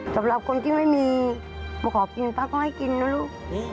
สำหรับคนที่ไม่มีมาขอกินป้าก็ให้กินนะลูก